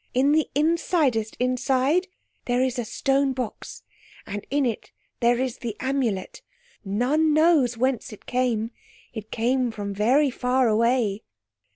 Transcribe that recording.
In the insidest inside there is a stone box, and in it there is the Amulet. None knows whence it came. It came from very far away."